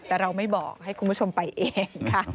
แต่เราไม่บอกให้คุณผู้ชมไปเองค่ะ